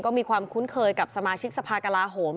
ก็มีความคุ้นเคยกับสมาชิกสภากลาโหม